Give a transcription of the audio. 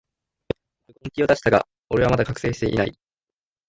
本気を出したが、俺はまだ覚醒してない